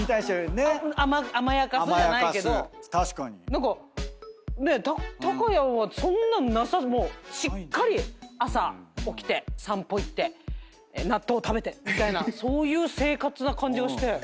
何かたかやんはそんなんもうしっかり朝起きて散歩行って納豆を食べてみたいなそういう生活な感じがして。